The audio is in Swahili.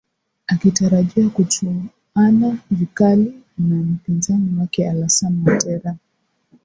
akitarajiwa kuchuana vikali na mpinzani wake alasan watera